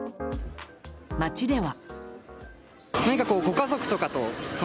街では。